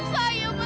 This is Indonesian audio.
ibu dabi mari pak